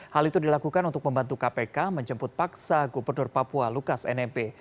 hal itu dilakukan untuk membantu kpk menjemput paksa gubernur papua lukas nmb